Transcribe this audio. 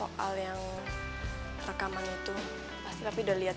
oh ini mama dia tuh agak keras haar